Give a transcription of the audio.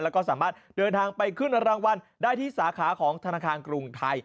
แล้วก็สามารถเดินทางไปขึ้นรางวัลได้ที่สาขาของธนาคารกรุงไทย